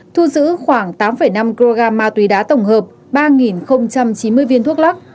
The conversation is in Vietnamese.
thu giữ khoảng tám năm kg ma túy đá tổng hợp ba chín mươi viên thuốc lắc